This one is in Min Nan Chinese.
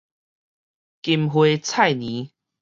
金花菜哖